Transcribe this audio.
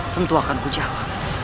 tentu akan ku jawab